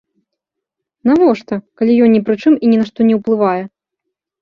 Навошта, калі ён ні пры чым і ні на што не ўплывае?